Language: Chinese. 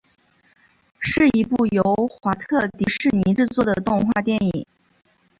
是一部由华特迪士尼制作的动画电影。